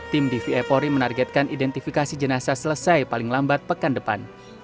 tim dvi polri menargetkan identifikasi jenazah selesai paling lambat pekan depan